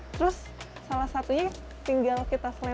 terus salah satunya tinggal kita flash